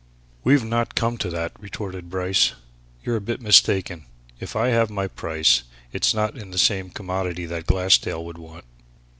"We've not come to that," retorted Bryce. "You're a bit mistaken. If I have my price, it's not in the same commodity that Glassdale would want.